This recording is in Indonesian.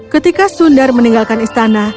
ketika sundar meninggalkan istana